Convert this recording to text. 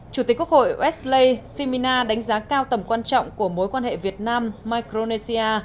chủ tịch quốc hội wesley simina đánh giá cao tầm quan trọng của mối quan hệ việt nam micronesia